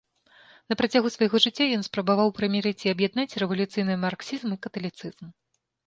На працягу свайго жыцця ён спрабаваў прымірыць і аб'яднаць рэвалюцыйны марксізм і каталіцызм.